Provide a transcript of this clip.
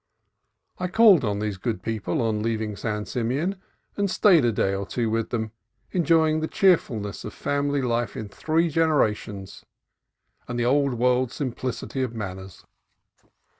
I called on these good people on leaving San Simeon, and stayed a day or two with them, enjoying the cheer fulness of family life in three generations and the Old World simplicity of manners.